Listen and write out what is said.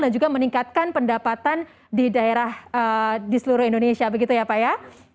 dan juga meningkatkan pendapatan di daerah di seluruh indonesia begitu ya pak ya